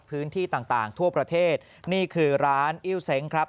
พื้นที่ต่างทั่วประเทศนี่คือร้านอิ้วเซ้งครับ